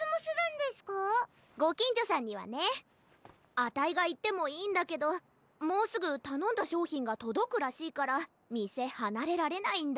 あたいがいってもいいんだけどもうすぐたのんだしょうひんがとどくらしいからみせはなれられないんだ。